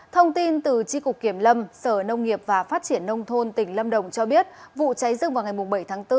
thông tin từ tri cục kiểm lâm sở nông nghiệp và phát triển nông thôn tỉnh lâm đồng cho biết vụ cháy rừng vào ngày bảy tháng bốn